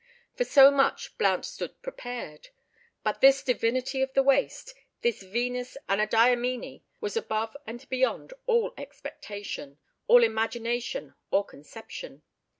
For so much Blount stood prepared. But this divinity of the waste—this Venus Anadyomene—was above and beyond all expectation, all imagination or conception.